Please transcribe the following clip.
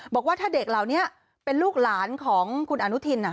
บอกว่าถ้าเด็กเหล่านี้เป็นลูกหลานของคุณอนุทิน